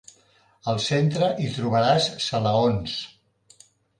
Al centre hi trobaràs salaons.